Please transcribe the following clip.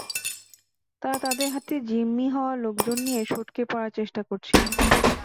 তারা তাদের হাতে জিম্মি হওয়া লোকজন নিয়ে সটকে পড়ার চেষ্টা করছিল।